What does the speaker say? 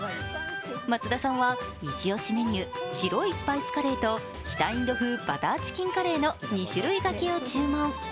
松田さんは、一押しメニュー白いスパイスカレーと北インド風バターチキンカレーの２種類がけを注文。